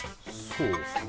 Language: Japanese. そうっすね